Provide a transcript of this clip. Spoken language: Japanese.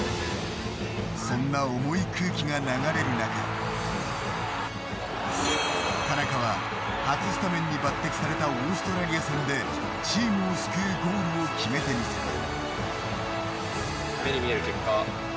そんな重い空気が流れる中田中は初スタメンに抜てきされたオーストラリア戦でチームを救うゴールを決めてみせた。